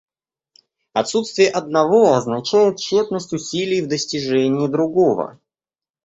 Отсутствие одного означает тщетность усилий в достижении другого.